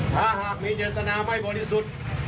ถ้าหากมีเจตนาไม่บริสุทธิ์